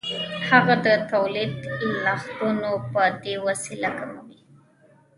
هغه د تولید لګښتونه په دې وسیله کموي